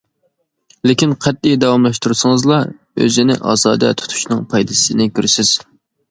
لېكىن، قەتئىي داۋاملاشتۇرسىڭىزلا، ئۆزىنى ئازادە تۇتۇشنىڭ پايدىسىنى كۆرىسىز.